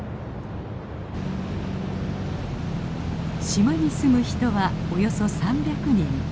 島に住む人はおよそ３００人。